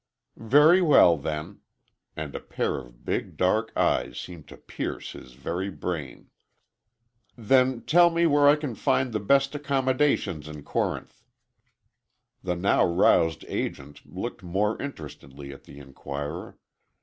"Very well then," and a pair of big, dark eyes seemed to pierce his very brain. "Then tell me where I can find the best accommodations in Corinth." The now roused agent looked more interestedly at the inquirer.